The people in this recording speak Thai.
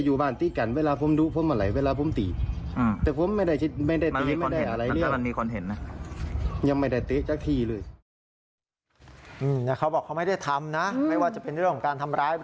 อยู่บ้านตีกันเวลาผมดูพ่อเมื่อไหร่